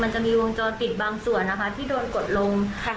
มันจะมีวงจรปิดบางส่วนนะคะที่โดนกดลง